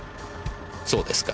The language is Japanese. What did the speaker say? そうですか。